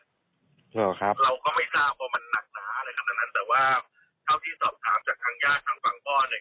ครับเราก็ไม่ทราบว่ามันหนักหนาอะไรขนาดนั้นแต่ว่าเท่าที่สอบถามจากทางญาติทางฝั่งพ่อเนี่ย